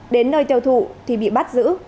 đến nơi tiêu thụ thì bị bắt giữ